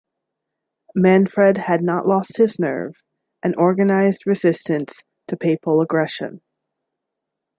Manfred had not lost his nerve, and organized resistance to papal aggression.